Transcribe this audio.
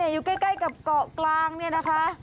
อยู่ใกล้กับเกาะกลาง